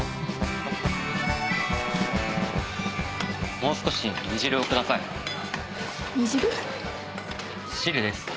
もう少し煮汁をください。煮汁？汁です。